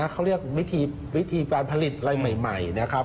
เขาเรียกวิธีการผลิตอะไรใหม่นะครับ